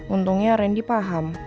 untungnya randy paham